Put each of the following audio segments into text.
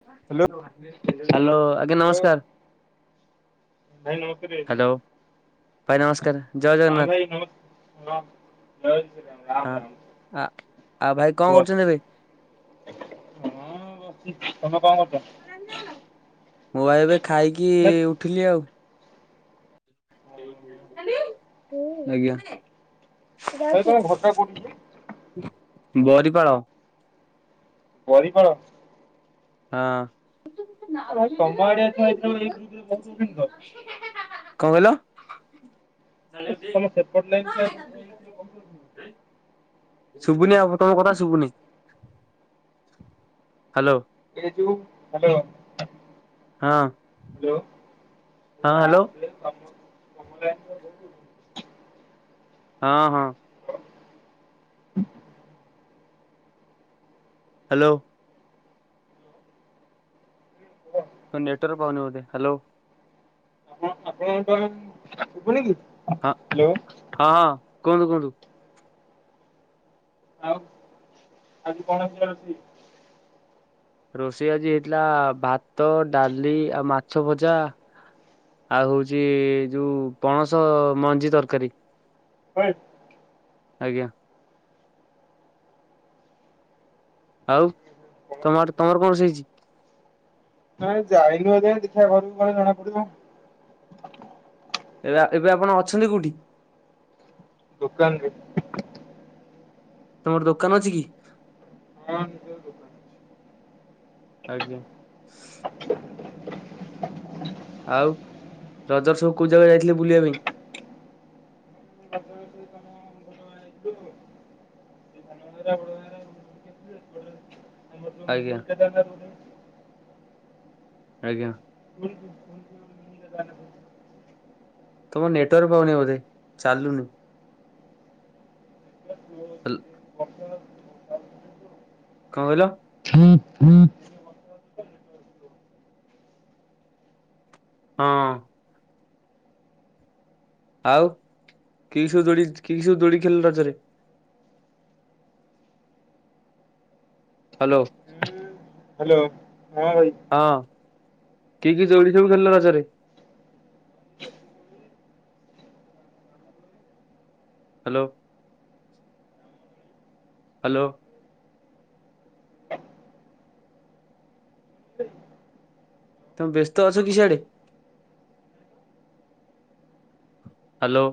[inaudible] Hello ଭାଇ ନମସ୍କାର ଜୟ ଜଗନ୍ନାଥ। [inaudible] ହଁ ଆଉ ଭାଇ କଣ [inaudible] କରୁଛନ୍ତି ଏବେ [inaudible] [inaudible] [inaudible] [inaudible] [inaudible] [inaudible] [inaudible] [inaudible] [inaudible] [inaudible] [inaudible] [inaudible] [inaudible] ହଁ ହ୍ୟାଲୋ [inaudible] ହଁଅ ହଁ। ହ ହ୍ୟାଲୋ। ତମ ନେଟୱର୍କ ପାଉନି ବୋଧେ, ହ୍ୟାଲୋ। ଆପଣ ଆପଣଙ୍କୁ ଆଉ ଶୁଭୁନି କି? ହଁ ହଁ-ହଁ କୁହନ୍ତୁ-କୁହନ୍ତୁ। ଆଉ ଆଜି କଣ ହେଇଥିଲା ରୋଷେଇ? ରୋଷେଇ ଆଜି ହେଇଥିଲା ଭାତ ଡାଲି ଆଉ ମାଛ ଭଜା। ଆଉ ହଉଛି ଯୋଉ ପଣସ ମଞ୍ଜି ତରକାରୀ। [unintelligible] ଆଜ୍ଞା। ଆଉ ତମ ଆଡେ ତମର କଣ ରୋଷେଇ ହେଇଛି? ନାଇଁ ଯାଇନୁ ଏଯାଏଁ ଦେଖିଆ ଘରକୁ ଗଲେ ଜଣା ପଡିବ। ଏବେ ଆ ଏବେ ଆପଣ ଅଛନ୍ତି କୋଉଠି? ଦୋକାନରେ। ତମର ଦୋକାନ ଅଛି କି? ହଁ ନିଜର ଦୋକାନ। ଆଜ୍ଞା। ଆଉ ରଜରେ ସବୁ କୋଉ ଜାଗା ଯାଇଥିଲେ ବୁଲିବା ପାଇଁ? କୁ ବୁଝା ଆଜ୍ଞା। [unintelligible] ଆଜ୍ଞା। ହୁଁ ହୁଁ ହୁଁ ତମ ନେଟୱାର୍କ ପାଉନି ବୋଧେ, ଚାଲୁନି। ହାଲ [inaudible] କଣ କହିଲ? ହୁଁ ହୁଁ। ହଁ। ଆଉ କି ସବୁ ଦୋଳି କି ସବୁ ଦୋଳି ଖେଳିଲୁ ରଜରେ? ହ୍ୟାଲୋ। ହ୍ୟାଲୋ, ହଁ ଭାଇ। ହଁ, କି କି ଦୋଳି ସବୁ ଖେଳିଲ ରଜରେ? Hello, hello. ତମେ ବ୍ୟସ୍ତ ଅଛ କି ସିଆଡେ? ହ୍ୟାଲୋ।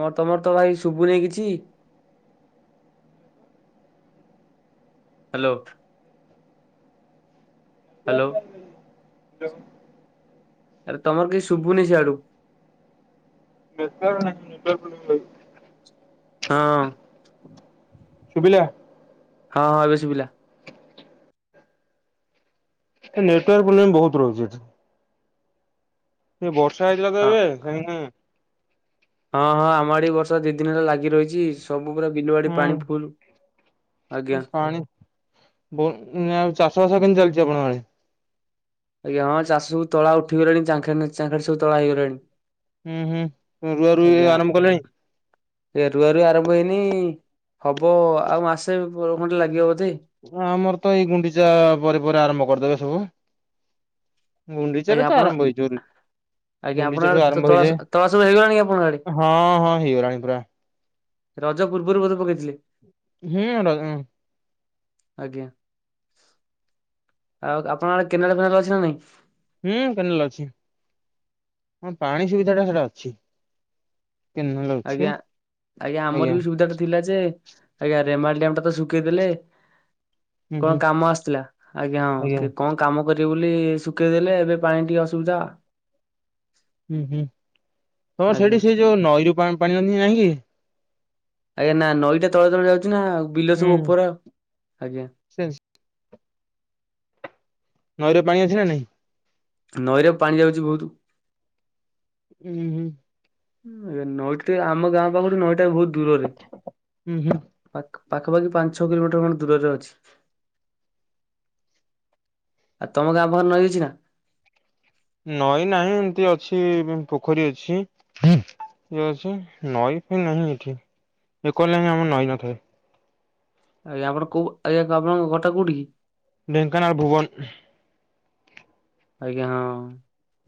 କଁଅ ତମର ତ ଭାଇ ଶୁଭୁନେଇ କିଛି। ହ୍ୟାଲୋ। ହ୍ୟାଲୋ। ଚୋପ୍। ଆରେ ତମର କିଛି ଶୁଭୁନି ସିଆଡୁ। ନେଟୱାର୍କ ନାହିଁ। ହଁ। ଶୁଭିଲା। ହଁ ହଁ ଏବେ ଶୁଭିଲା। ଏ ନେଟୱାର୍କ ପ୍ରୋବ୍ଲେମ୍ ବହୁତ ରହୁଚି ଏଠି। ସେ ବର୍ଷା ହେଇଥିଲା ତ ହଁ ଏବେ ହେନେ। ହଁ ହଁ ଆମ ଆଡେବି ବର୍ଷା ଦି ଦିନି ହେଲା ଲାଗି ରହିଚି। ସବୁ ପୁରା ବିଲୁବାଡ଼ି ପାଣି ଫୁଲ୍ ଆଜ୍ଞା। ବୁଣୁ ଉଁ ଆଉ ଚାଷ ବାସ କେମତି ଚାଲିଚି ଆପଣଙ୍କ ଆଡେ। ଆଜ୍ଞା ହଁ ଚାଷ ସବୁ ତଳା ଉଠିଗଲାଣି ଚାଖେଣ୍ଡେ ଚାଖେଣ୍ଡେ ସବୁ ତଳା ହେଇଗଲାଣି। ହୁଁ ହୁଁ ରୁଆ ରୁଇ ଆଜ୍ଞା। ଆରମ୍ଭ କଲେଣି? ଏ ରୁଆ ରୁଇ ଆରମ୍ଭ ହେଇନି। ହବ ଆଉ ମାସେ ଖଣ୍ଡେ ଲାଗିବ ବୋଧେ। ହଁ ଆମରତ ଏଇ ଗୁଣ୍ଡିଚା ପରେ ପରେ ଆରମ୍ଭ କରିଦେବେ ସବୁ। ଆଜ୍ଞା ଗୁଣ୍ଡିଚାରେତ ଆପଣ ଆରମ୍ଭ ହେଇଯିବରେ। ଆଜ୍ଞା ଆପଣଙ୍କ ଆଡେ ତ ତଳାସ ତଳା ସବୁ ହେଇଗଲାଣି କି ଆପଣଙ୍କ ଆଡେ। ରଜ ପୂର୍ବରୁ ବୋଧେ ପକେଇଥିଲେ। ହୁଁ ରଜ ଆଜ୍ଞା। ଆଉ ଆପଣଙ୍କ ଆଡେ କେନାଲ ଫେନାଲ ଅଛି ନା ନାଇଁ? ହୁଁ କେନାେଲ ଅଛି ହଁ ପାଣି ସୁବିଧା ଟା ସେଟା ଅଛି। ଆଜ୍ଞା ଆଜ୍ଞା ଆମରବି ସୁବିଧାଟା ଥିଲା ଯେ ଆଜ୍ଞା ରେମାଲ୍ ଡ଼୍ୟାମ୍ ଟା ତ ଶୁଖେଇ ଦେଲେ। କଣ କାମ ଆସିଥିଲା ଆଜ୍ଞା ହଁ କି କଁ କାମ କରିବେ ବୋଲି ଶୁଖେଇ ଦେଲେ ଏବେ ପାଣି ଟିକେ ଅସୁବିଧା। ହୁଁ ହୁଁ ତମର ଆଜ୍ଞା। ସେଇଠି ସେ ଯୋଉ ନଈରୁ ପାଣି ପାଣି ଆଣିକି ଆଜ୍ଞା ନା ନଈଟା ତଳେ ତଳେ ଯାଉଚିନା ଆଉ ବିଲ ସବୁ ଉପର ଆଜ୍ଞା। ନଈରେ ପାଣି ଅଛି ନା ନାଇଁ? ନଈରେ ପାଣି ଯାଉଛି ବହୁତ୍। ହୁଁ ହୁଁ। ନଈତେ ଆମ ଗାଁ ପାଖରୁ ନଈଟା ବହୁତ ଦୂରରେ। ପାଖ ପାଖାପାଖି ପାଞ୍ଚ ଛଅ କିଲୋମିଟର ଖଣ୍ଡେ ଦୂରରେ ଅଛି। ଆ ତମ ଗାଁ ପାଖରେ ନଈ ଅଛି ନା? ନଇଁ ନାହିଁ ଏମିତି ଅଛି ପୋଖରୀ ଅଛି। ଇଏ ଅଛି ନଈ ଫଇ ନାହିଁ ଏଠି କଲେ ହିଁ ଆମର ନଈ ନଥାଏ। ଆଜ୍ଞା ଆପଣ କୋଉ ଆଜ୍ଞା କ ଆପଣଙ୍କ ଘର୍ ଟା କୋଉଠିକି? ଢେଙ୍କାନାଳ ଭୁବନ। ଆଜ୍ଞା ହଁ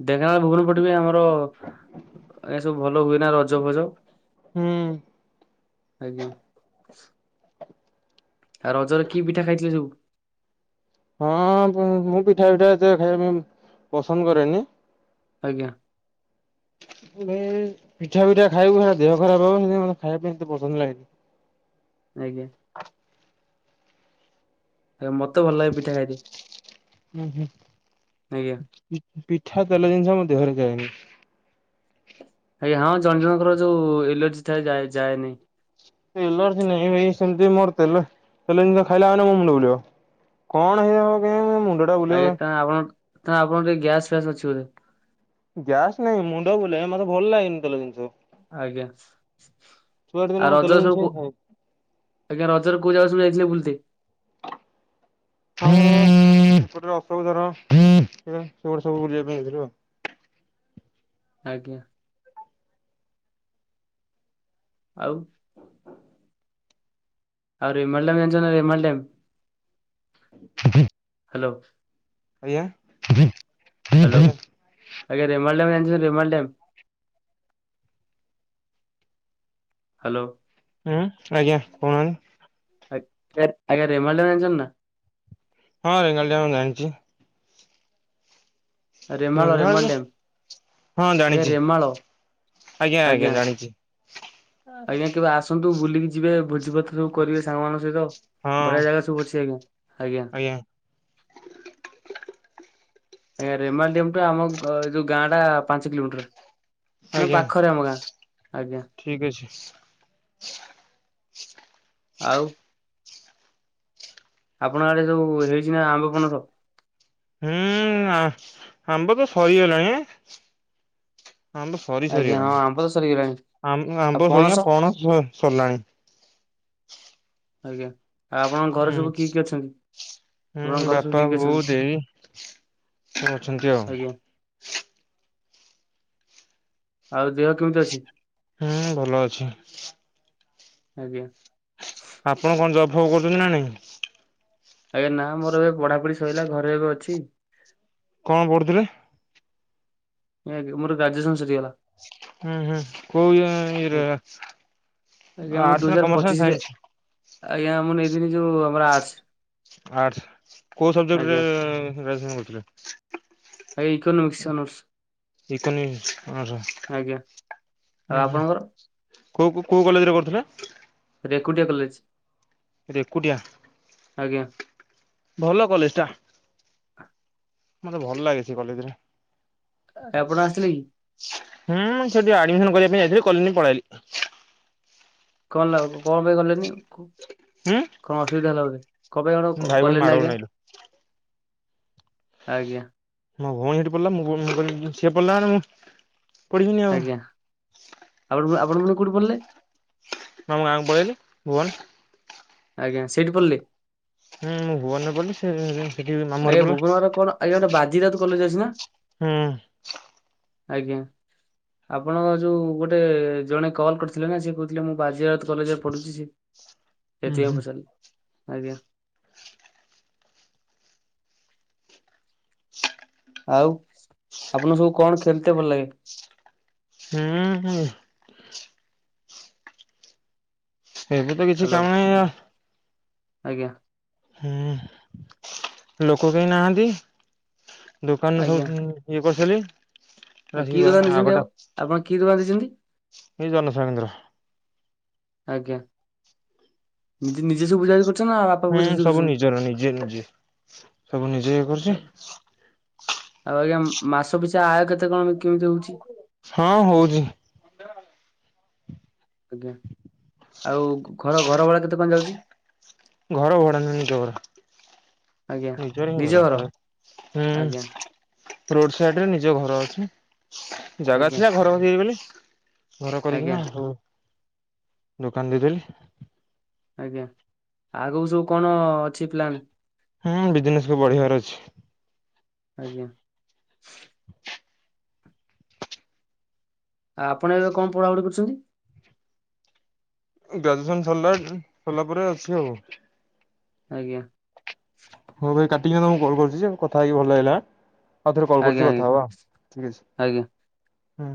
ଢେଙ୍କାନାଳ ଭୁବନ ପଟେ ବି ଆମର ଆଜ୍ଞା ଏ ସବୁ ଭଲ ହୁଏ ନା ରଜ ଭଜ? ହୁଁ। ଆଜ୍ଞା। ଆଉ ରଜରେ କି ପିଠା ଖାଇଥିଲେ ସବୁ? ହଁଅଁ ପୁଂ ମୁଁ ପିଠା ପିଠା ଏତେ ଖାଇବା ପାଇଁ ପସନ୍ଦ କରେନି। ଆଜ୍ଞା। [inaudible] ପିଠା ପିଠା ଖାଇବୁ ହେରା ଦେହ ଖରାପ ହବନି ସେଥି ପାଇଁ ଖାଇବା ପାଇଁ ଏତେ ପସନ୍ଦ ଲାଗେନି। ଆଜ୍ଞା। ଆଜ୍ଞା ମୋତେ ଭଲ ଲାଗେ ପିଠା ଖାଇତେ ଆଜ୍ଞା। ପିଠା ତେଲ ଜିନିଷ ମୋ ଦେହରେ ଯାଏନି। ଆଜ୍ଞା ହଁ, ଜଣ ଜଣଙ୍କର ଯୋଉ ଏଲର୍ଜି ଥାଏ ଯାଏ ଯାଏନି। ଏଲର୍ଜି ନାହିଁ ଭାଇ, ସେମ୍ତି ମୋର୍ ତେଲ ଜିନିଷ ଖାଇଲା ମାନେ ମୋ ମୁଣ୍ଡ ବୁଲେଇବ। କଣ ହେଇଥିବ ମୋର କେଜାଣି ମୋ ମୁଣ୍ଡ ଆଜ୍ଞା ତା ଆପଣ ତା ଆପଣ ଟିକେ ଗ୍ୟାସ୍ ଫ୍ୟାସ୍ ଅଛି ବୋଧେ? ଗ୍ୟାସ୍ ନାହିଁ ମୁଣ୍ଡ ବୁଲାଏ ମତେ ଭଲ ଲାଗେନି ତେଲ ଜିନିଷ। ଆଜ୍ଞା, ଆଉ ରଜରେ ସବୁ କୋଉ ଆଜ୍ଞା, ରଜରେ କୋଉ ଜାଗା ସବୁ ଯାଇଥିଲେ ବୁଲିତେ? [inaudible] ଆଜ୍ଞା। ଆଉ ଆଉ ରେମାଲ୍ ଡ୍ୟାମ୍ ଜାଣିଚ ନା ରିମାଲ୍ ଡ୍ୟାମ୍? [inaudible] ହାଲୋ। ଆଜ୍ଞା। ହାଲୋ, ଆଜ୍ଞା ରେମଲ୍ ଡ୍ୟାମ୍ ଜାଣିଚନ୍ତି ରେମଲ୍ ଡ୍ୟାମ୍? ହାଲୋ। ହୁଁ ଆଜ୍ଞା କହୁନାହାନ୍ତି। ଆ ଆଜ୍ଞା ରେମାଲ୍ ଡ୍ୟାମ୍ ଜାଣିଚନ୍ତି ନା? ହଁ [unintelligible] ଡ୍ୟାମ୍ ଜାଣିଚି। Remal Remal dam. ଆଜ୍ଞା ରେମାଳ। ଆଜ୍ଞା କେବେ ଆସନ୍ତୁ ବୁଲିକି ଯିବେ ଭୋଜିଭାତ ସବୁ କରିବେ ସାଙ୍ଗ ମାନଙ୍କ ସହିତ ବଢିଆ ଜାଗା ସବୁ ଅଛି ଆଜ୍ଞା-ଆଜ୍ଞା। ଆଜ୍ଞା। ଆଜ୍ଞ ରେମାଲ୍ ଡ୍ୟାମ୍ ଠୁ ଆମ ଏଇ ଯୋଉ ଗାଁଟା ପାଞ୍ଚ କିଲୋମିଟର। ମାନେ ଆଜ୍ଞା, ପାଖରେ ଆମ ଗାଁ ଆଜ୍ଞା ଠିକ୍ ଅଛି। ଆଉ ଆପଣଙ୍କ ଆଡେ ଯୋଉ ହେଇଚି ନା ଆମ୍ବ, ପଣସ? ହୁଁ ଆ ଆମ୍ବ ତ ସରିଗଲାଣି, ଆମ୍ବ ସରି ଆଜ୍ଞା ହଁ ସରିଗଲାଣି ଆମ୍ବ ତ ସରିଗଲାଣି ଆମ୍ ଆଉ ଆମ୍ବ ସରି ପଣସ କିନା ପଣସ ସରିଲାଣି। ଆଜ୍ଞା। ଆଉ ଆପଣଙ୍କ ଘରେ ସବୁ କିଏ-କିଏ ଅଛନ୍ତି, ଆପଣଙ୍କ ଘରେ ସବୁ କିଏ-କିଏ ଅଛନ୍ତି? [unintelligible] ଅଛନ୍ତି ଆଉ। ଆଜ୍ଞା ଆଉ ଦେହ କେମ୍ତି ଅଛି? ହୁଁ, ଭଲ ଅଛି। ଆଜ୍ଞା। ଆପଣ କଣ ଜବ୍ ଫବ୍ କରୁଚନ୍ତି ନା ନାଇଁ? ଆଜ୍ଞା ନା ମୋର ଏବେ ପଢାପଢି ସଇଲା ଘରେ ଏବେ ଅଛି। କଣ ପଢୁଥିଲେ? ଆଜ୍ଞା, ମୋର ଗ୍ରାଜୁଏସନ୍ ସରିଗଲା। ହୁଁ-ହୁଁ କୋଉ ଇଅର ଆଜ୍ଞା ମୁଁ ଦୁଇ ଆର୍ଟସ୍ ନା ହଜାର କମର୍ସ ନା ପଚିଶରେ ସାଇନ୍ସ? ଆଜ୍ଞା ମୁଁ ନେଇଥିଲି ଯୋଉ ଆମର ଆର୍ଟସ। ଆର୍ଟସ୍ କୋଉ ସବଜେକ୍ଟରେ ଆଜ୍ଞା ଗ୍ରାଜୁଏସନ୍ କରିଥିଲେ? ଆଜ୍ଞା ଇକୋନୋମିକ୍ସ ଅନର୍ସ ଇକୋନୋମିକ୍ସ ଅନର୍ସ? ଆଜ୍ଞା ଆଉ ଉଁ ହୁଁ ଆପଣଙ୍କର କୋଉ-କୋଉ-କୋଉ କଲେଜ୍ ରେ କରୁଥିଲେ। ରେକୁଟିଆ କଲେଜ୍। ରେକୁଟିଆ ଆଜ୍ଞା ଭଲ କଲେଜ୍ ଟା। ମତେ ଭଲ୍ ଲାଗେ ସେ କଲେଜ୍ ରା। ଆପଣ ଆସିଥିଲେ କି? ହୁଁ ମୁଁ ସେଠି ଆଡମିସନ୍ କରିବା ପାଇଁ ଯାଇଥିଲି କଲିନି ପଳେଇଆଇଲି। କଣ ଲାଗି କଣ ପାଇଁ କଲେନି ଆଉ? ହୁଁ। କଣ ଅସୁବିଧା ହେଲା ବୋଧେ କଣପାଇଁ କଣ କ- କଲେନି ଆଜ୍ଞା? ଆଜ୍ଞା‌। ମୋ ଭଉଣୀ ସେଠି ପଢିଲା ମୋ ଭଉଣୀ ମୁଁ କହିଲି ସିଏ ପଢିଲା ମାନେ ମୁଁ ଆଜ୍ଞା ଆପଣ ପୁଣି ଆପଣ ପୁଣି କଉଠି ପଢିଲେ? ମୁଁ ଆମ ଗାଁ କୁ ପଳେଇ ଆଇଲି ଭୁବନ। ଆଜ୍ଞା ସେଇଠି ପଢିଲେ? ହୁଁ ମୁଁ ଭୁବନ ରେ ପଢିଲି ସେ ଆଜ୍ଞା ଭୁବନ ରେ କଣ ଆଜ୍ଞା ଗୋଟେ ବାଜି ରାଉତ କଲେଜ୍ ଅଛି ନା? ଆଜ୍ଞା। ଆପଣଙ୍କ ଯଉ ଗୋଟେ ଜଣେ କଲ୍ କରିଥିଲେ ନା ସିଏ କହୁଥିଲେ ମୁଁ ବାଜି ରାଉତ୍ କଲେଜ୍ ରେ ପଢୁଚି ସିଏ ସେଥିପାଇଁ ପଚାରିଲି। ଆଜ୍ଞା। [inaudible] ଆଉ ଆପଣଙ୍କୁ ସବୁ କଣ ଖେଳିତେ ଭଲ ଲାଗେ? ହୁଁ- ହୁଁ। ଏବେ ତ କିଛି ହ୍ୟାଲୋ କାମ ନାହିଁ ଆର୍ ଆଜ୍ଞା। ହୁଁ ଲୋକ କେହି ନାହାନ୍ତି ଦୋକାନରୁ ଆଜ୍ଞା ସବୁ କିଣି ଇଏ ପସିଗଲେ। ଆ କି ଦୋକାନ [unintelligible] ଦେଇଛନ୍ତି ଆଗଟା ଆଉ ଆପଣ କି ଦୋକାନ ଦେଇଛନ୍ତି? ଏଇ ଜନସେବା କେନ୍ଦ୍ର। ଆଜ୍ଞା ନିଜେ ନିଜେ ସବୁ ବୁଝାବୁଝି କରୁଛନ୍ତି ନା ବାପା ହୁଁ ବୁଝାବୁଝି ସବୁ କରୁଛନ୍ତି? ନିଜର ନିଜେ ନିଜେ ସବୁ ନିଜେ ଇଏ କରୁଚି। ଆଉ ଆଜ୍ଞା ମ- ମାସ ପିଛା ଆୟ କେତେ କଣ କେମିତି ହଉଚି? ହଁ ହଉଚି। ଆଉ ଘର -ଘର ଘରଭଡ଼ା କେତେ କଣ ଯାଉଚି? ଘର ଭଡା ନୁହେଁ ନିଜ ଘର। ଆଜ୍ଞା ନିଜର ହିଁ ନିଜ ଘର? ଆଜ୍ଞା ରୋଡ ସାଇଡ୍ ରେ ନିଜ ଘର ଅଛି ଜାଗା ଆଜ୍ଞା ଥିଲା ଘର କରିବି ବୋଲି ଘର କରିକିନା ଆଜ୍ଞା ଆଉ ଦୋକାନ ଦେଇଦେଲି। ଆଜ୍ଞା ଆଗୁକୁ ସବୁ କଣ ଅଛି ପ୍ଲାନ୍? ହୁଁ ବିଜନେସ୍ କୁ ବଢେଇବାର ଅଛି। ଆଜ୍ଞା। ଆ- ଆପଣ ଏବେ କଣ ପଢାପଢି କରୁଚନ୍ତି? ଗ୍ରାଜୁଏସନ୍ ସରିଲା -ସରିଲା ପରେ ଅଛି ଆଉ। ଆଜ୍ଞା। ହଉ ଭାଇ କାଟିଲି ଏବେ ମୁଁ କଲ୍ କରୁଚି ଆଉ କଥା ହେଇକି ଭଲ ଲାଗିଲା। ଆଉ ଥରେ କଲ୍ ଆଜ୍ଞା କରୁଚି ଆଜ୍ଞା କଥା ହବା ଠିକ୍ ଆଜ୍ଞା ଅଛି।